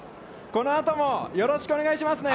このあともよろしくお願いしますね。